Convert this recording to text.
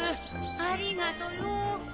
ありがとよ。